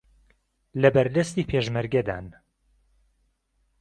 لەبەردەستی پێشمەرگەدان